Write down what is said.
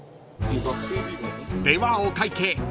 ［ではお会計］